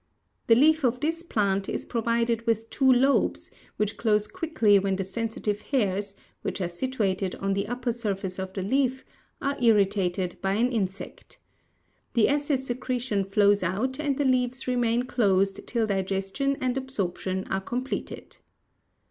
The leaf of this plant is provided with two lobes, which close quickly when the sensitive hairs, which are situated on the upper surface of the leaf, are irritated by an insect. The acid secretion flows out and the leaves remain closed till digestion and absorption are completed.